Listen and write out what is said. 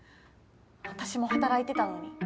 私も働いてたのに。